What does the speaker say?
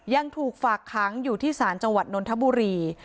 ยังถูกฝากค้างอยู่ที่ศาลจังหวัดนนทบุรี